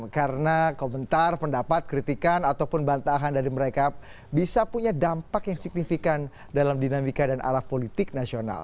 karena komentar pendapat kritikan ataupun bantahan dari mereka bisa punya dampak yang signifikan dalam dinamika dan arah politik nasional